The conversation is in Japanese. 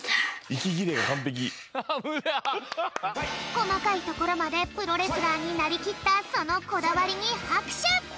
こまかいところまでプロレスラーになりきったそのこだわりにはくしゅ！